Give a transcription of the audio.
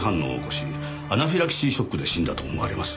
アナフィラキシーショックで死んだと思われます。